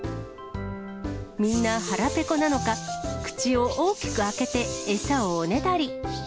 みんな腹ぺこなのか、口を大きく開けて餌をおねだり。